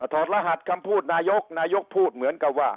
ถอดรหัสคำพูดนายกนายกพูดเหมือนกับว่า